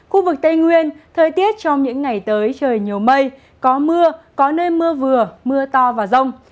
khu vực tây nguyên thời tiết trong những ngày tới trời nhiều mây có mưa có nơi mưa vừa mưa to và rông